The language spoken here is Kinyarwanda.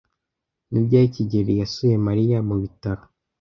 Ni ryari kigeli yasuye Mariya mu bitaro?